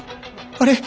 あれ？